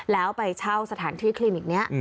แล้วไปเช่าสถานที่คลินิกนี้